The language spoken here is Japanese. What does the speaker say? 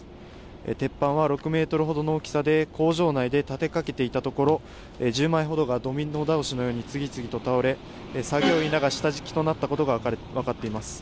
鉄板は６メートルほどの大きさで、工場内で立てかけていたところ、１０枚ほどがドミノ倒しのように次々と倒れ、作業員らが下敷きとなったことが分かっています。